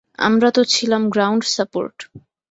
আমরা তো ছিলাম গ্রাউন্ড সাপোর্ট।